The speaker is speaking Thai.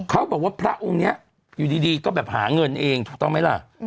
เขาบอกว่าพระองค์นี้อยู่ดีก็แบบหาเงินเองถูกต้องไหมล่ะ